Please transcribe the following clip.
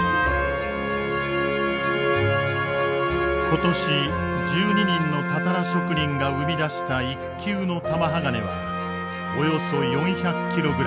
今年１２人のたたら職人が生み出した一級の玉鋼はおよそ４００キログラム。